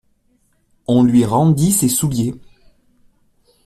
On lui rendit ses souliers.